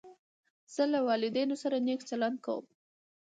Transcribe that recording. زه له والدینو سره نېک چلند کوم.